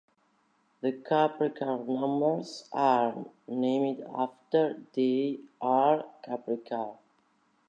The Kaprekar numbers are named after D. R. Kaprekar.